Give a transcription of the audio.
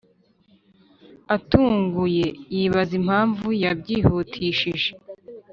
atunguye yibaza impamvu babyihutishije